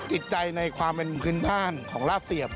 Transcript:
จิตใจในความเป็นพื้นผ้านของลาบเสียบ